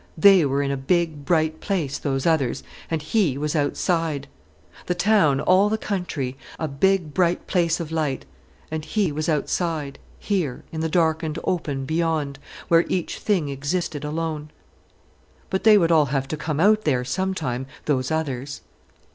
They were in a big, bright place, those others, and he was outside. The town, all the country, a big bright place of light: and he was outside, here, in the darkened open beyond, where each thing existed alone. But they would all have to come out there sometime, those others.